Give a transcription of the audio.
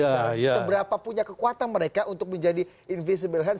seberapa punya kekuatan mereka untuk menjadi invisible hand